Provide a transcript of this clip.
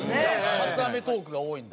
初『アメトーーク』が多いんだ。